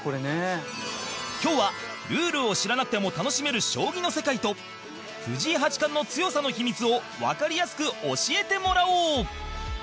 今日は、ルールを知らなくても楽しめる将棋の世界と藤井八冠の強さの秘密をわかりやすく教えてもらおう！